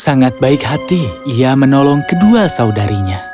sangat baik hati ia menolong kedua saudarinya